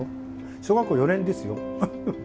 小学校４年ですよ。